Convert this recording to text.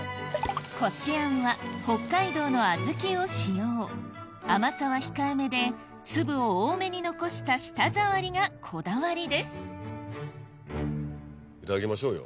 こしあんは北海道の小豆を使用甘さは控えめで粒を多めに残した舌触りがこだわりですいただきましょうよ。